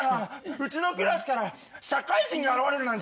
うちのクラスから社会人が現れるなんて。